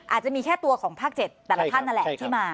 อาจจะมีแค่ตัวของภาค๗แต่ละท่านนั่นแหละที่มา